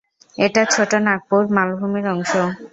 এটি ছোটনাগপুর মালভূমির অংশ।